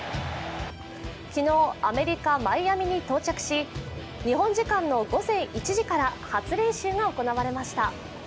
昨日、アメリカ・マイアミに到着し、日本時間午前１時から初練習が行われました。